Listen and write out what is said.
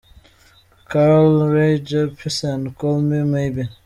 Carly Rae Jepsen – Call Me Maybe.